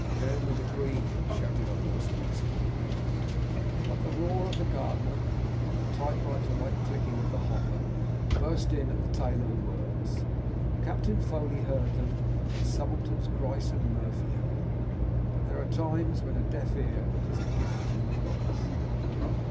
"Down with the Queen!" shouted a hoarse voice from the ranks. But the roar of the Gardner and the typewriter like clicking of the hopper burst in at the tail of the words. Captain Foley heard them, and Subalterns Grice and Murphy heard them; but there are times when a deaf ear is a gift from the gods.